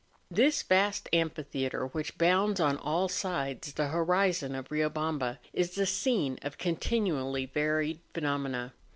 flHIMBORAZO. 289 This vast amphitheatre, which bounds on all sides the horizon of Riobamba, is the scene of continually varied phenomena.